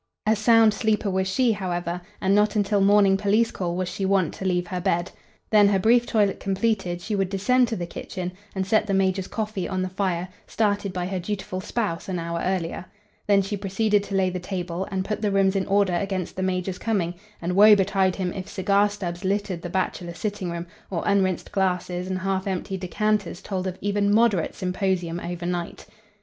A sound sleeper was she, however, and not until morning police call was she wont to leave her bed. Then, her brief toilet completed, she would descend to the kitchen and set the major's coffee on the fire, started by her dutiful spouse an hour earlier. Then she proceeded to lay the table, and put the rooms in order against the major's coming, and woe betide him if cigar stubs littered the bachelor sittingroom or unrinsed glasses and half empty decanters told of even moderate symposium over night.